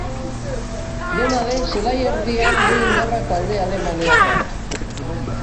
Dena den, zelai erdian du indarra talde alemaniarrak.